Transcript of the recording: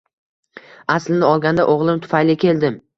Aslini olganda, o`g`lim tufayli keldim